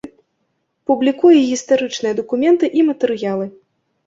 Публікуе гістарычныя дакументы і матэрыялы.